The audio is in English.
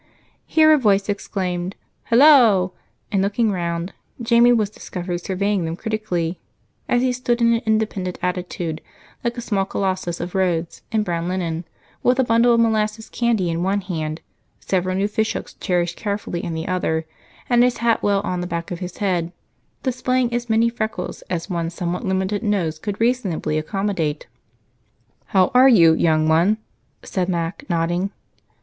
Here a voice exclaimed "Hallo!" and, looking around, Jamie was discovered surveying them critically as he stood in an independent attitude, like a small Colossus of Rhodes in brown linen, with a bundle of molasses candy in one hand, several new fishhooks cherished carefully in the other, and his hat well on the back of his head, displaying as many freckles as one somewhat limited nose could reasonably accommodate. "How are you, young one?" said Mac, nodding.